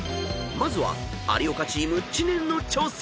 ［まずは有岡チーム知念の挑戦］